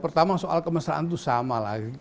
pertama soal kemesraan itu sama lagi